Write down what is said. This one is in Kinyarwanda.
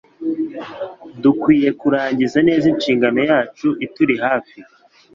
Dukwiriye kurangiza neza inshingano yacu ituri hafi.